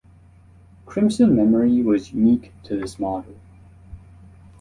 Crimson memory was unique to this model.